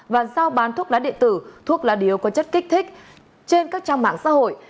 và sao bán thuốc lá điện tử thuốc lá điếu có chất kích thích trên các trang mạng xã hội